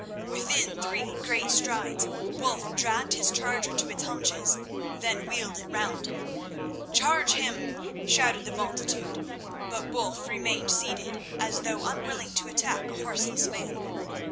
Within three great strides Wulf dragged his charger to its haunches, then wheeled it round. "Charge him!" shouted the multitude; but Wulf remained seated, as though unwilling to attack a horseless man.